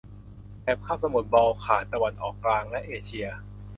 แถบคาบสมุทรบอลข่าน ตะวันออกกลาง และเอเชีย